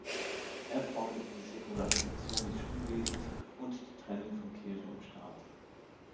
Er forderte die Säkularisation des Schulwesens und die Trennung von Kirche und Staat.